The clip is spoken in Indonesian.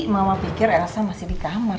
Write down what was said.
mama pikir elsa masih di kamar